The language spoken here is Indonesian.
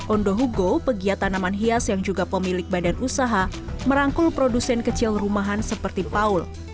ondo hugo pegiat tanaman hias yang juga pemilik badan usaha merangkul produsen kecil rumahan seperti paul